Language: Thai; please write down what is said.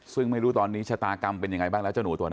ซึ่งไม่รู้ตอนนี้ชะตากรรมเป็นยังไงบ้างแล้วเจ้าหนูตัวนั้น